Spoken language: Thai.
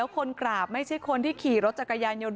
คนกราบไม่ใช่คนที่ขี่รถจักรยานยนต